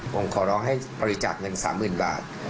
ผมขอร้องให้บริจาคเงิน๓๐๐๐บาท